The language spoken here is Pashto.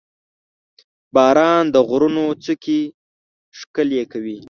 • باران د غرونو څوکې ښکلې کوي.